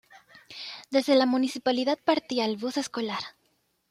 Desde la Municipalidad partía el bus escolar.